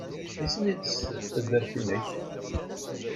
Isem-nnes taddart-nnek?